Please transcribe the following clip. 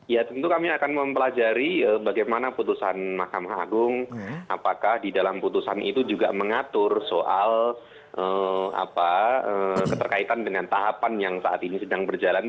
ya tentu kami akan mempelajari bagaimana putusan mahkamah agung apakah di dalam putusan itu juga mengatur soal keterkaitan dengan tahapan yang saat ini sedang berjalan